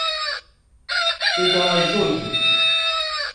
Tu diajoyî.